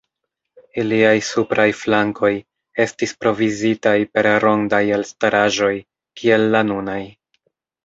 Iliaj supraj flankoj, estis provizitaj per rondaj elstaraĵoj, kiel la nunaj.